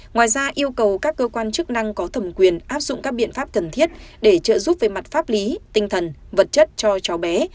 ngoài ra yêu cầu các cơ quan chức năng có thẩm quyền áp dụng các biện pháp cần thiết để trợ giúp về mặt pháp lý tinh thần vật chất cho cháu bé